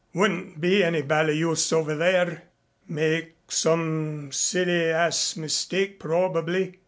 Wouldn't be any bally use over there. Make some silly ass mistake probably.